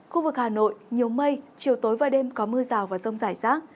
khu vực hà nội nhiều mây chiều tối và đêm có mưa rào và rông rải rác